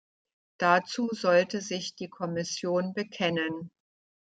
Dazu sollte sich die Kommission bekennen.